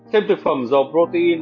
thêm thực phẩm dầu protein